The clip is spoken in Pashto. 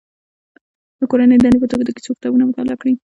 د کورنۍ دندې په توګه د کیسو کتابونه مطالعه کړي.